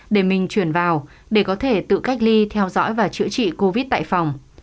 để mình chuyển vào để có thể tự cách ly theo dõi và chữa trị covid tại phòng